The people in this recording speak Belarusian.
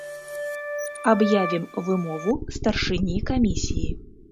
Аб'явім вымову старшыні камісіі.